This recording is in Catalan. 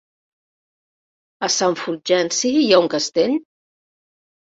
A Sant Fulgenci hi ha un castell?